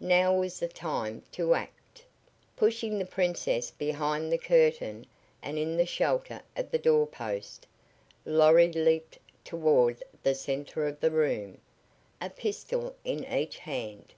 Now was the time to act! Pushing the Princess behind the curtain and in the shelter of the door post, Lorry leaped toward the center of the room, a pistol in each hand.